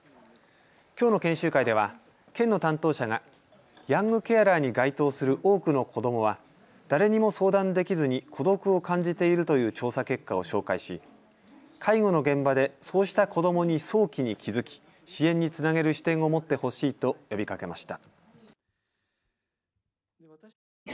きょうの研修会では、県の担当者がヤングケアラーに該当する多くの子どもは誰にも相談できずに孤独を感じているという調査結果を紹介し介護の現場でそうした子どもに早期に気付き支援につなげる視点を持ってほしいと呼びかけました。